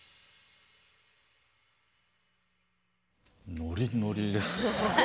ノリノリですね。